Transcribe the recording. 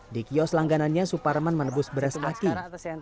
di kios langganannya suparman menebus beras aki